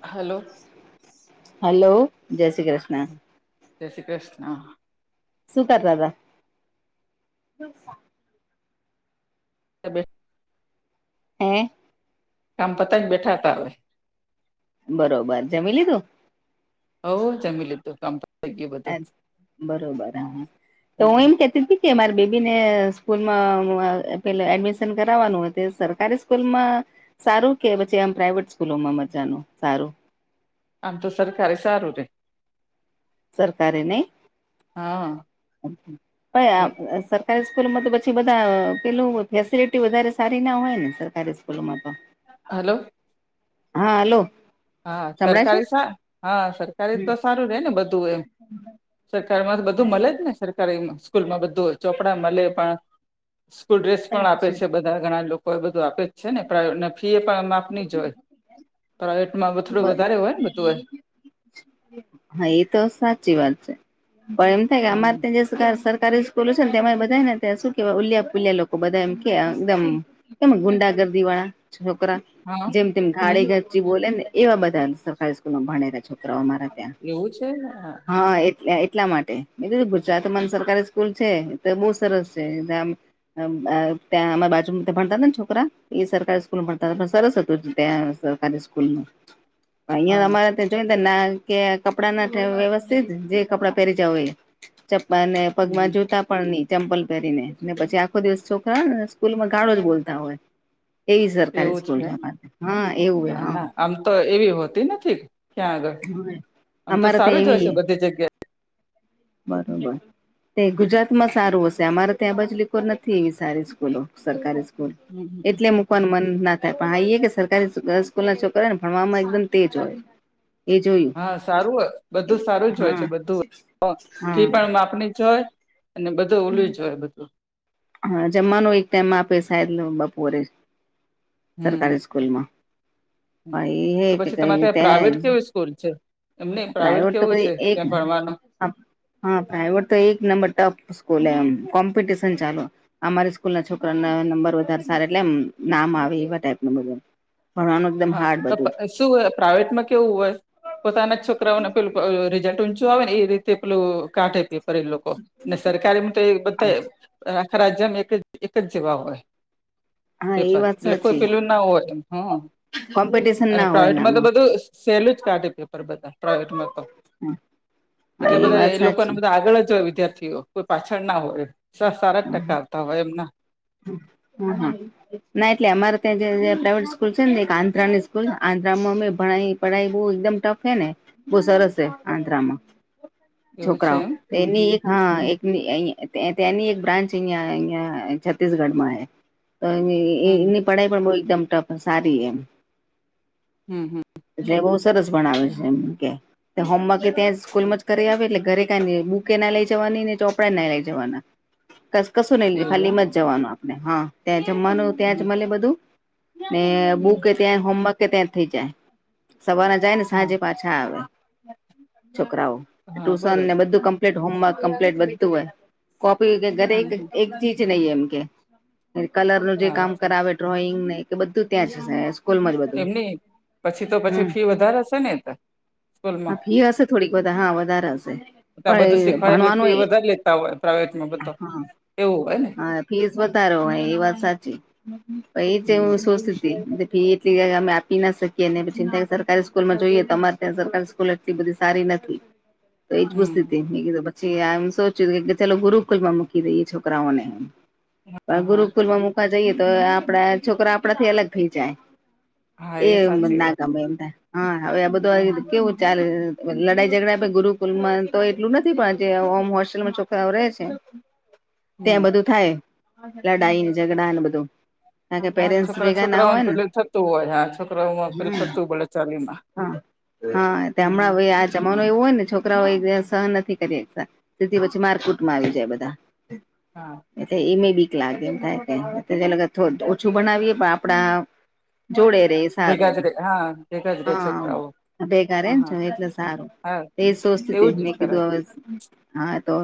Hello હાલો જય શ્રી કૃષ્ણ જય શ્રી કૃષ્ણ સુ કરતા હતા. બસ બે હે કામ પતાવી ને બેઠા હતા હવે બરોબર જમી લીધું? હવ જમી લીધું કમ એમ બરોબર હા તો હું હમ. એમ કેતી હતી કે મારી બેબી ને સ્કૂલમાં પેલા એડમિશન કરવાનું તે સરકારી સ્કૂલમાં સારું કે પછી આમ પ્રાઈવેટ સ્કૂલોમાં મજાનું સારું આમ તો સરકારી સારું રેય સરકારી નઈ હા સર સરકારી સ્કૂલમાં તો પછી બધા પેલું ફેસિલિટી વધારે સારી ના હોય ને સરકારી સ્કૂલોમાં તો [inaudible] હલો હા હલો હા સંભળાય સરકારી સા હા સરકારી તો સારું રે ને બધું એમ સરકાર માં તો બધું મળે જ ને સર કારી માં સ્કૂલમાં બધું ચોપડા મળે પણ સ્કૂલ ડ્રેસ છે પણ આપે અચ્છા છે બ ધા ઘણા લોકો એ બધું આપે જ છે ને પ્રાઇવેટ ફી પણ આપની જ હોય પ્રાઇવેટ માં થડો વધારે હોય ને બધું એ હા એ તો સાચી વાત છે પણ એમ થાય કે અમારે હમ. ત્યાં સરકારી સ્કૂલો છે ને તેમાં બધા હે ને તે શું કેવાય ઉલિયા પુલ્યા લોકો બધા એમ કે એકદમ કેમ કે ગુંડાગર્દી વાળા છોકરાઓ હા જેમ તેમ હમ [unintelligible] એવા બધા સરકારી સ્કૂલમાં ભણેલા છોકરાઓ મારાં એવું છે હા એટલે એટલા માટે ગુજરાતમાં જ સરકારી સ્કૂલ છે ત બો સરસ છે ત આમ ત્યાં અમારા બાજુમાં ત્યાં ભણતા હતા ને છોકરા એ સરકારી સ્કૂલ માં ભણતા પણ સરસ હતું ત્યાં સારી સ્કૂલમાં અહીંયા હા અમારા એ જોઈ ને ત ના કે કપડાં ના ઠે વ્યવસ્થિત જે કપડાં પેરી જાઓ એ હમ પગમાં જોતા પણ ની ચંપલ પેરીને ને પછી આખો દિવસ છોકરા સ્કૂલમાં ગાળો જ બોલતા હોય તેવી સરકારી એવું છે સ્કૂલ એમ સે અમારી હા એવી હે હા આમ તો એવી હોતી નથી ત્યાં આગળ આમ તો અમારે સારૂ ત્યાં જ હોય છે બધી જગ્યા એ બરાબર તે ગુજરાત માં સારી હશે અમારે ત્યાં આ બાજુ [unintelligible] નથી સારી સ્કૂલો સરકારી સ્કૂલ હમ હમ હમ. એટલે પણ મન ના થાય પણ એ કે સરકારી સ્કૂલ છોકરા ને ભણવામાં એકદમ તેજ હોય એ જોયું હા સારુ જ બધું સારૂ જ હોય છે હા બધું ફી હા પણ માપણી જ હોય અને બધું ઓલી જ હોય બધું હા જમવાનું એકટાઈમ આપે શાયદ બપોરે હમ સરકારી કૂલમાં [unintelligible] કુલ છે તમને પ્રાઇવેટ કેવું છે એક ત્યાં ભણવાનું હા પ્રાઇવેટ તો એક નંબર ટોપ સ્કૂલ એમ કોમ્પિટેશન ચાલે અમારી સ્કૂલના છોકરા ના નંબર વધારે સારા એમ નામ આવે એવા ટાઈપના બધા હા, શું હોય પ્રાઇવેટમાં કેવું હોય છે પોતાના જ છોકરાઓને પેલું રિઝલ્ટ ઊંચું આવે ને એ રીતે પેલું [unintelligible] કરે લોકો ને સરકારીમાં તો એ બધે આખા રાજ્યમાં એકજ [unintelligible] હા એ પેપર એટલે એવું કોઈ પહેલું ન હોય એમ. કોપી કરવાની કોઈ તક જ હોતી નથી. [unintelligible] અને પ્રાઇવેટમાં તો ઘણા લોકો એવું કહે છે કે પેપર સરળ કાઢે છે, પરંતુ બધા પ્રાઇવેટમાં એવું હોય જ એવું નથી. [unintelligible] હા એટલે એ એવું વાત લાગે છે કે તેમના સાચી વિદ્યાર્થીઓ બધા આગળ હોય અને કોઈ પાછળ ન હોય. સારા ટકા આવતા હોય એમ નહીં. હં, [unintelligible] ના, એટલે અમારે ત્યાં જે પ્રાઇવેટ સ્કૂલ છે ને, એક આંધ્રાની સ્કૂલ છે. આંધ્રામાં અમે ભણ્યા ભણાઈ બહુ જ એકદમ ટફ છે ને બહુ સરસ છે આંધ્રામાં. એવું છે છોકરાઓ, એમ તો એની હમ એક હા હમ એક ત્યાંની એક બ્રાન્ચ અહીં છત્તીસગઢમાં છે. હમ ભણાઈ પણ બહુ જ ટફ અને સારી છે. હં. એટલે બહુ સરસ ભણાવે છે, હોમવર્ક પણ ત્યાં હમ સ્કૂલમાં જ કરાવી દે છે એટલે ઘરે બુકો લઈને જવાની નથી અને ચોપડાં પણ લઈને જવાનાં નથી. કંઈ પણ એવું લઈને જવાનું નથી, ખાલી જવાનું ત્યાં એમ જ હમ જમવાનું બધું ત્યાં જ મળે છે. ને હમ બુકો પણ ત્યાં જ હોય હોમવર્ક પણ ત્યાં જ થઈ જાય, સવારના જાય ને હા સાંજે પાછા આવે. આવે. છોકરાઓનું હા ટ્યુશન બરોબર હોમવર્ક અને બધી કોપીઓનું હા કામ તો કમ્પ્લીટ હોય છે. ઘરે હમ એક હમ પણ કામ નથી આપતા, ફક્ત કલરનું જે કામ હોય તે જ કરાવે છે. ડ્રોઇંગ અને બધી પ્રવૃત્તિઓ પણ ત્યાં જ થાય છે. સ્કૂલમાં જ બધું એમની, પછી તો ફી હમ પણ વધારે છે ને? સ્કૂલમાં હા ફી થોડીક વધારે હશે, પણ ભણવાનું ખૂબ સારું છે. પણ હા. હા ફી વધારે હતી એ વાત સાચી હમ છે. ફી એટલી અમે આપી શકીએ નહીં. અને જો સરકારી સ્કૂલની વાત કરીએ તો અમારે ત્યાં સરકારી સ્કૂલ એટલી બધી સારી નથી. [inaudible] તો એ જ હમ પૂતી મે કીધું પછી આમ સોચ્યું ચાલો ગુરુકુલ માં મૂકી દઈ એ છોકરાઓને. હા પણ હા ગુરુકુલમાં મુકાવા જઈએ તો આપડા છોકરા આપણાથી અલગ થઈ જાય. હા એ સાચી ના વાત ગમે એમ હા હવે આ બધું હમ કેવું ચાલે લડાઈ ઝઘડા પણ ગુરુકુલ માં તો એટલું નથી પણ જે ઓમ હોસ્ટેલમાં છોકરાઓ રહે છે. હમ ત્યાં બધું થાય લડાઈ ઝઘડા ને બધું. કારણ કે હા પેરેન્ટ્સ છોકરા ભેગા ના છોકરાઓને હોય ને પેલી થતું હોય હા છોકરાઓ પે હમ થતુંય બોલા ચાલીમાં. હા હા તે હમણાં હમ હવે આ મા એવું હોય ને છોકરાઓ સહન નથી કરી શતા તેથી પછી મારકૂટ માં આવી જાય. [unintelligible] હા. એ બીક લાગે એમ થાય કે ઓછું બનાવીએ પણ આપ આપણા જોડે રે સારું [unintelligible] રે છોકરાઓ. હા ભેગા હા હા રેને એટલે સારું હા એ સોસ્તી એવું હતી જ મેં કીધું કરાય અસ. હા તો.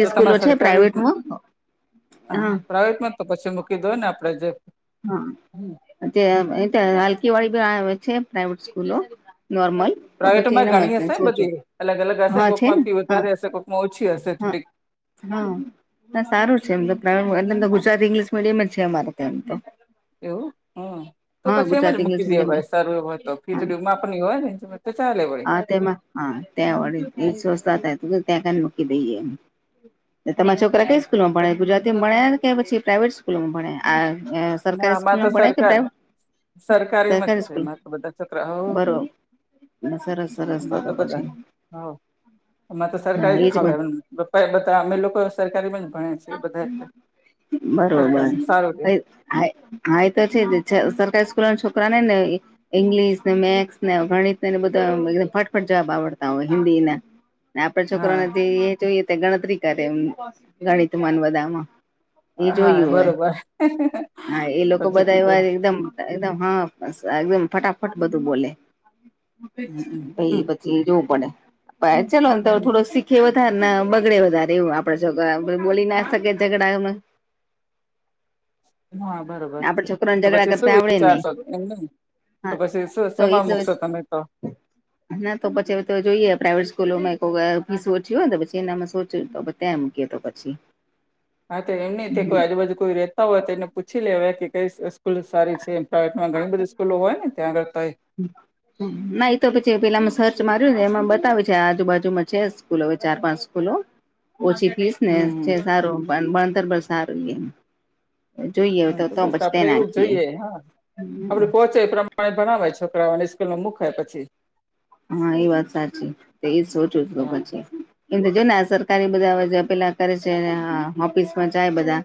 તો સ્કૂલો તમારે છે સરકારી પ્રાાઈવેટમાં હા પ્રઇવેટમાં તો પછી મૂકી દો ને આપડે જે હા. એ હલકી વાળડી બી આવે આવે છે પ્રાઇવેટ સ્કૂલો, નોર્મલ. તો પછી પ્રાઇવેટમાં ઘણી એનામાં હશે સોચો બધી અલગ અલગ હશે હા છે ને કોઈકમાંથી હા વધારે હશે કોઈકમાં ઓછી હશે. હા હા, ના સારું છે એમ તો એ ગુજરાતી ઇંગ્લિશ મીડિયમ જ છે અમારે ત્યાં બી. એવું હમ. તો પછી એમ જ ગુજરાતી ઇંગ્લિશ મૂકી દે મીડિયમ જ ભાઈ સારું એ હો તો ફી હા થોડી માપની હોય ને તો ચાલે ભાઈ. હા તેમાં હા, તેવડી [unintelligible] મૂકી દઈએ. તમાર છોકરા કઈ સ્કૂલમાં ભણે ગુજરાતીમાં ભણે કે પછી પ્રાાઈવેટ સ્કૂલોમાં ભણે આ ના, સરકારી આમાર તો સ્કૂલમાં ભણ્યા કે સરકાર પ્રાઇવેટ સરકારીમાં જ સરકારી છે સ્કૂલ મારાતો બધાં છોકરાઓ. બરોબર સરસ સરસ અમાર તો બધાં પછી હ. એમાં તો હા સરકારી જ એજ ફાવે પણ બધા અમે લોકો સરકારીમાં ભણે છે એ બધા એટલે. બરોબર, સરકારમાં કયું. સારું રે હાય, હા, એતો છે સરકારી સ્કૂલના છોકરાને નઈ. ઈંગ્લિશને, મેક્સને, ગણિતનેને બધાં અમ ફટફટ જવાબ આવડતા હોય હિન્દીના. આપણા હા છોકરોઓને જે જોઈએ તે ગણતરી કરે એમ ગણિતમાં ને બધામાં. એ હા, જોયું હોય બરોબર. હા, એ લોકો સાચું બધાં એવા કીધું એકદમ એકદમ‌, હા, એકદમ ફટાફટ બધું બોલે હમ એ બધું. ઈ જોવું પડે ચાલો હમ થોડો સી કે વધાર ના બગડે વધારે એવું આપડે છોકરા બોલી ના શકે ઝઘડામાં. હા, બરોબર આપડે છે. છોકરાને તો ઝઘડા પછી શું કરતા આવડે નહી વિચારશો એમ નહી. તો હા પછી શું તો એ જ શેમાં મૂકશો તમે તો. [inaudible] ના, તો પછી તો જોઈએ પ્રાઇવેટ સ્કૂલોમાં [unintelligible] ફીસ ઓછી હોય તો પછી એનામાં સોચ્યે તો પ ત્યાં મૂકીએ તો પછી. હા, તો એમની કોઈ આજુબાજુ કોઈ રહેતા હોય તો એને પૂછી લેવાય કે કઈ સ્કૂલ સારી છે એમ. પ્રાઇવેટમાં ઘણી બધી સ્કૂલો હોય ને ત્યાં આગળ તય. [inaudible] ના, ઈતો પછી પેલા સર્ચ માર્યુંને એમાં બતાવે છે. આજુબાજુમાં છે સ્કૂલો હવે ચાર પાંચ સ્કૂલો. ઓછી ફીસને હમ હમ છે સારું ભણતર પણ સારું ઈએમ. જોઈએ હા તો તોતો બસ બચતે આપડે એવું જ નાથી. જોઈએ હા, આપડે પોહચે એ પ્રમાણે ભણાવાય છોકરાઓને સ્કૂલમાં મુકાય પછી હા, એ વાત સાચી એજ સોચું છુ હા પછી. એમ તો જોય ને સરકારી બધા પેલા કરે છે. ઓફિસમાં જાય બધા.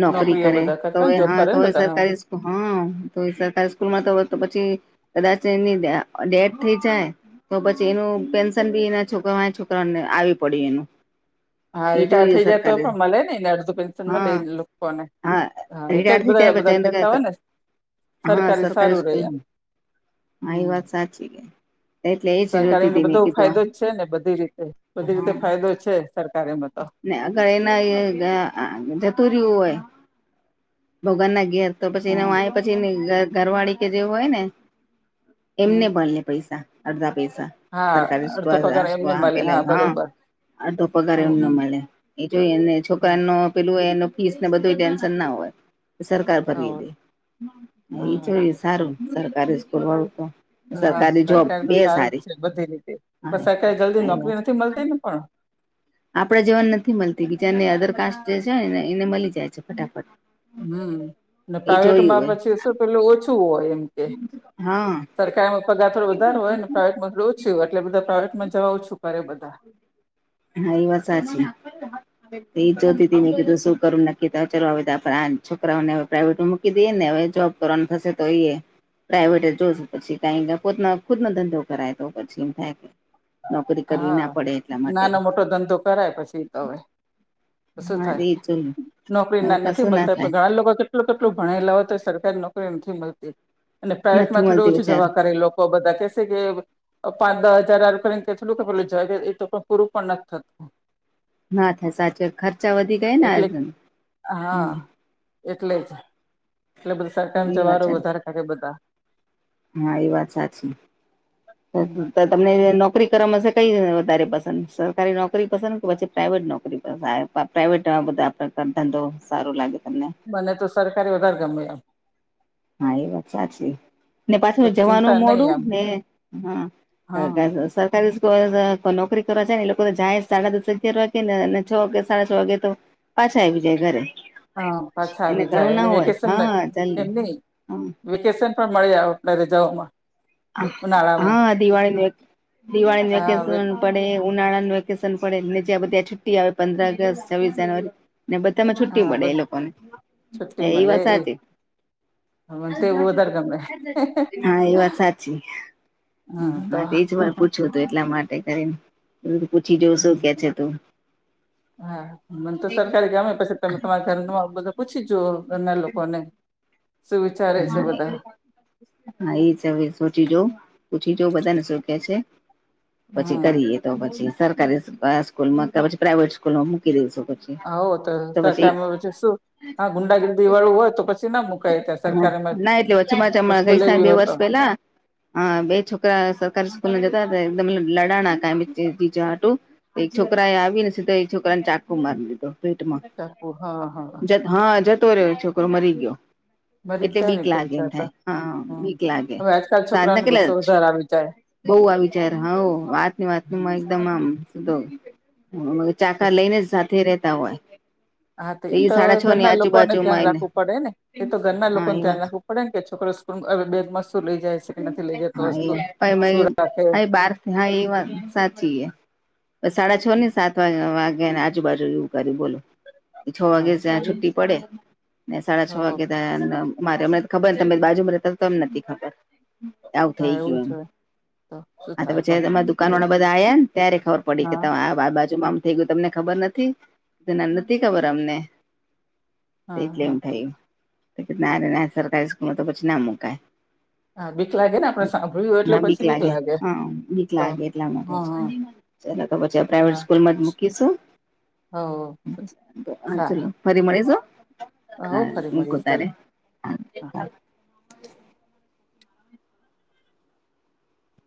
નોકરી નોકરીઓ કરે બધા કરતા ને તોયે જોબ હા, કરે ને તોય બધા હા સરકારી હા, તો સરકારી સ્કૂલમાં તો પછી કદાચ એની ડેથ થઈ જાય તો પછી એનું પેન્શન બી એના છોકરાઓ છોકરાઓને આવી પડે એનું. હા, એ રિટાયર જોઈએ થઈ જાય તોય સરકારે પણ મળેને અડધો પેન્સલ મલેને હા લોકોને. હા, એટલે જ રિટાયર થઈ જાય બધાં બધાં કહેતા બધાને હોયને હા સરકારી સારું રેય સ્કૂલ એમ. હા, એ હમ વાત સાચી કે. એટલે એ જ જોતી સરકારીમાં તો હતી બધો મેં કીધું ફાયદો જ છે ને બધી રીતે બધી રીતે ફાયદો છે સરકારે એમાં તો. આગળ એના જતુ રીયુ હોય ભગનના ઘેર તો પછી એના હમ વાય પછી ઘરવાળી કે જેવું હોય ને. એમને હમ ભલે પૈસા અડધા પૈસા. હા સરકારી અડધો સ્કૂલ પગાર એમને આ મળે પેલા હા હ, બરોબર આતો પ કરે હમ એમનો હમ મલે એ જોઈ એને હા છોકરાનુ પેલું ફીસને બધું ટેન્શન ના હોય. સરકાર હા ફરી દે એ હા જોય સારું સરકારી સ્કૂલવાળું તો. હા સરકારી જોબ સરકાર તો બે સારું સારી. જ છે બધી રીતે પણ હા. સરકારે જલ્દી નોકરી નથી મળતી ને પણ આપડા જેવાને નથી મળતી બીજાને અદર કાસ્ટ જે છે ને એને મળી જાય છે ફટાફટ. હમ, અને એ જોયું પ્રાઈવેટમાં હોય પછી શું પેલું ઓછું હોય એમ. હા સરકારમાં પગાર થોડો વધારે હોયને. પ્રાઇવેટમાં એવું જ છે એટલે બધાં પ્રાઇવેટમાં જવા ઓછું કરે બધાં. હા, એ વાત સાચી. જોતી હતી મે કિધું શું કરું નકી તાલ હ આપ આ છોકરાઓને હવે પ્રાઇવેટમાં મૂકી દઈએ ને. હવે જો તરણ થશે તોઈએે. પ્રાાઈવેટ જ જોશું પછી કાંઈ ક પોતનો ખુદનો ધંધો કરાય તો પછી એમ થાય. નોકરી કરવી હા ના પડે એટલા મા નાનો મોટો ધંધો કરાય પછી તો હવે. શું હા થાય એ જોયું નોકરી હવે ના નથી કશું ના મળતા થાય પણ [unintelligible] લોકો કેટલું કેટલું ભણેલા હોય તો સરકારી નોકરી નથી મળતી. અને નથી પ્રાઇવેટમાં થોડું મળતી ઓછું બચાર જવા કરે. લોકો બધા કેસે કે પાંચ દહ હજાર [unintelligible] જ એ તો પણ પૂરું પણ નથી થતું. ના થાય સાચું ખર્ચા વધી ગયાને એટલે આજ હમ. હા એટલે જ એટલે બધા સરકાર ન એ વાત જવારો વધારે કરે બધા હા એ વાત સાચી. તમને નોકરી કરવામાંશે કઈ વધારે પસંદ સરકારી નોકરી પસંદ કે પછી પ્રાઇવેટ નોકરી પસંદ આવે? પ્રાઇવેટ બધા આપકાર ધંધો સારો લાગે તમને. મને તો સરકારે વધારે ગમે એમ. હા એ વાત સાચી. ને પાછું કોઈ જવાનું ચિંતા નહી મોડું એમ ને હા હા નોકરી કરવા જાય ને લોકો જાય સાડા દસ અગિયાર વાગે ને છ વાગે સાડા છ વાગે તો પાછા આવી જાય ઘરે. હા પાછા એને આવી ઘણું જાય અને ના હોય વેકેશન હા [unintelligible] એમ નહી હમ. વેકેશન પણ મળી આવ ઘરે જવામાં. હા દિવાળીનું એક દિવાળી હા હવે વેકેશન પડે. ઉનાળાનું વેકેશન પડે ને જ્યાં બધા છુટ્ટી આવે પંદર અગસ્ટ, છવ્વીસ જાનુઆરી. ને બધામાં છુટ્ટી હા પડે બસ એ લોકોને છુટ્ટી હ એ મળે વાત સાચી. મને તો એવું વધારે ગમે હા એ વાત સાચી. હા એજ વાર પૂછવું તુ એટલા માટે કરીને પૂછી જો શું કે છે તો? હા મને તો સરકારી ગમે પછી તમે તમા બધું પૂછી જુઓ એમના લોકો ને હા હા એ હવે સોચી જો પૂછી જા બધાને શું કે છે પછી હા કરીએ તો પછી સરકારી સ્કૂલમાં પછી પ્રાઈવેટ સ્કૂલમાં મૂકી દઈશું પછી આવું તો સરકારીમાં પછી શું આ ગુંડાગીર્દી વાળું હોય તો પ ના એટલે ચમાણા રિસ્ક ગઈ સા લેવી બે હોય તો વર્ષ પેલા હા બે છોકરા સરકારી સ્કૂલમાં જતા હતા એકદમ લડાણા કઈ બીજાટું એક છોકરા એ આવી ને સીધ એક છોકરાને ચાકુ મારી દીધો ચાકુ હા હા પેટમાં હા જતો રહ્યો છોકરો મરી ગયો મરી જ એટલે જાય ને બીક તો લાગે એમ બિચારા થાય હા હમ બીક લાગે હવે આજકાલ સાધના છોકરાઓને કેલા ગુસ્સો વધારે આવી જાય બહ આવી જાર હાવ વાતની વાત તમામ સીધો ચાકા લઈને જ સાથે રેતા હોય હા તો એ તો સાડા છ ની ઘરના લોકો ને આજુબાજુમાં ધ્યાન એને રાખવું પડે ને એ તો ઘરના હા લોકો ને એ ધ્યાન વાત રાખવું પડેને કે છોકરો સ્કૂલમાં હવે બે મસ્તું લઈ જાય છે કે નથી લઈ જતો હા વસ્તુ શું રાખે એ બાર હા એ વાત સાચી એ સાડા છ ને સાત વાગ્યા ને આજુબાજુ એવું કર્યું બોલ છ હા વાગે તો ત્યાં એ છુટ્ટી પડે ને સાડા છ હા વાગે રે હમને ખબરને તમે બાજુમાં રહેતા તો એમ નથી ખબર આવું થઇ એવું ગયું જ એમ હોય તો શું હા તો થાય પછી કહો તમામે દુકાન હા વાળા બધા આવ્યા ને ત્યારે ખબર પડી કે તમે આ બ બાજુમાં આમ થઇ ગયું તમને ખબર નથી તેને નથી ખબર અમને હા એટલે હા એમ થયું ના ના સરકારી સ્કૂલમાં તો પછી ના મુકાય હા બીક લાગે ને આપડે સાંભળ્યું હોય એટલે હા બીક પછી લાગે હા બીક તો લાગે એટલા માટે જ હા હા તે તો ખબર છે પ્રાઇવેટ હા સ્કૂલમાં જ મુ કિશુ હો હા ચાલો સારું ફરી મળીશું હો હા ફરી મળીએ ચલો હ [unintelligible]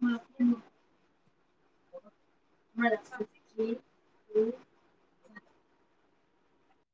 હા. [unintelligible]